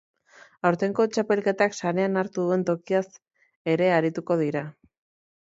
Aurtengo txapelketak sarean hartu duen tokiaz ere arituko dira.